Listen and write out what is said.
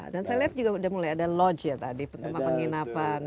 dan saya lihat juga sudah mulai ada lodge ya tadi tempat penginapan